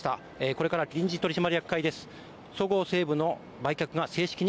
これから臨時取締役会です。